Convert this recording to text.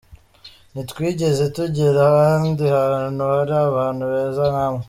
Ntitwigeze tugera ahandi hantu hari abantu beza nkamwe.